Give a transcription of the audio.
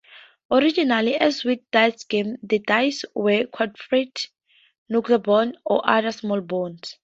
Originally, as with dice games, the "dice" were quadruped knucklebones or other small bones.